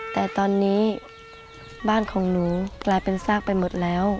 แต่ตอนนี้บ้านของหนูกลายเป็นซากไปหมดแล้ว